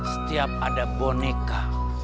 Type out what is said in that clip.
setiap ada boneka